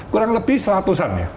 kurang lebih seratusan ya